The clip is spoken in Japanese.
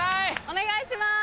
お願いします！